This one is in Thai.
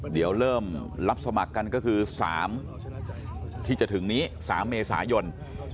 เดี๋ยวเริ่มรับสมัครกันก็คือ๓ที่จะถึงนี้๓เมษายน